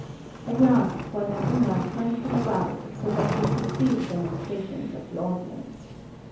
At last Fräulein Unger turned him about so that he could see the demonstrations of the audience.